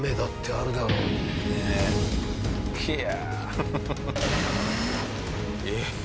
いや。